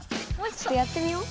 ちょっとやってみよう。